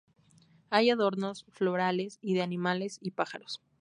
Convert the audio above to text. Hay adornos florales y de animales y pájaros.